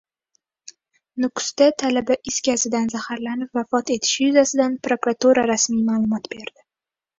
Nukusda talaba is gazidan zaharlanib vafot etishi yuzasidan prokuratura rasmiy ma'lumot berdi